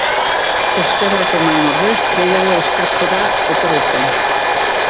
Eskerrak eman ordez gehiago eskatzera etorri zen.